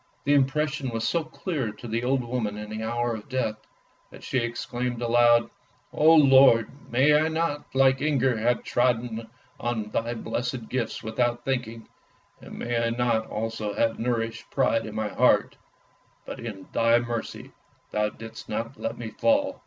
The impression was so clear to the old woman in the hour of death, that she exclaimed aloud, " Oh Lord, may I not, like Inger, have trodden on thy blessed gifts without thinking; and may I not also have nourished pride in my heart, but in Thy mercy Thou didst not let me fall!